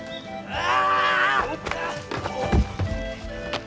ああ。